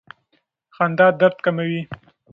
خندا درد کموي.